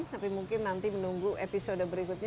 tapi mungkin nanti menunggu episode berikutnya